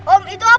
om itu apa tuh om